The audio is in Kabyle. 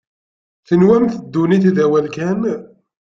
Tenwamt ddunit d awal kan.